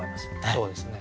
そうですね。